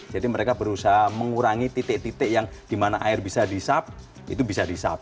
jadi mereka berusaha mengurangi titik titik yang dimana air bisa disap itu bisa disap